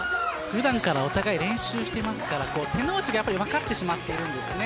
普段からお互い練習していますから手の内が分かってしまっているんですよね。